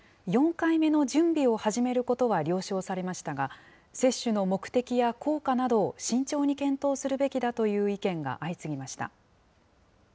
４回目の準備を始めることは了承されましたが、接種の目的や効果などを慎重に検討するべきだという意見が相次ぎました。